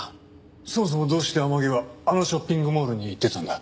そもそもどうして天樹はあのショッピングモールに行ってたんだ？